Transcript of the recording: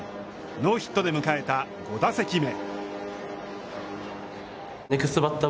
ノーヒットで迎えた５打席目。